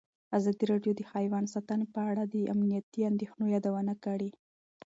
ازادي راډیو د حیوان ساتنه په اړه د امنیتي اندېښنو یادونه کړې.